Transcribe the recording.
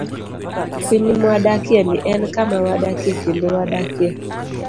Piny mwadakieni en kama wadakie kendo wadakie.